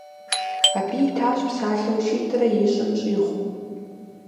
Абы итащ псалъэу щитӏрэ ищӏым щӏигъу.